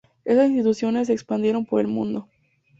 Estas instituciones se expandieron por el Mundo.